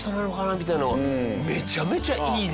みたいなのがめちゃめちゃいいね。